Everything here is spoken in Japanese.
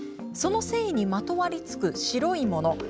その繊維にまとわりつく白いもの。